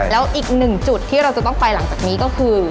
แล้วอีกหนึ่งจุดที่เราจะต้องไปหลังจากนี้ก็คือ